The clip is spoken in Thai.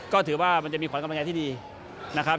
ก็ถือว่ามันจะมีขวัญกำลังใจที่ดีนะครับ